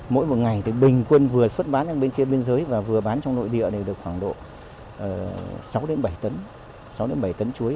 mỗi một ngày thì bình quân vừa xuất bán bên kia biên giới và vừa bán trong nội địa thì được khoảng độ sáu bảy tấn chuối